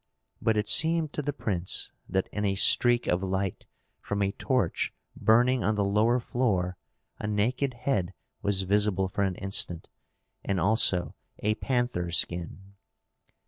But it seemed to the prince that in a streak of light from a torch burning on the lower floor a naked head was visible for an instant, and also a panther skin.